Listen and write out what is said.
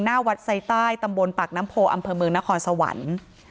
หน้าวัดไซใต้ตำบลปากน้ำโพอำเภอเมืองนครสวรรค์